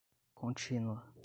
contínua